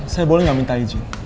saya boleh nggak minta izin